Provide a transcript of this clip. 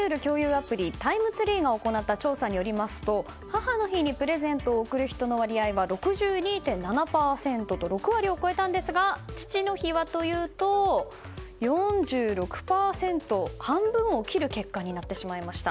アプリタイムツリー調査によりますと母の日にプレゼントを贈る人の割合は６２．７％と６割を超えたんですが父の日はというと４６％、半分を切る結果になってしまいました。